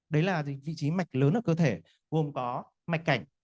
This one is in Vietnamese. đấy là vị trí mạch lớn ở cơ thể gồm có mạch cảnh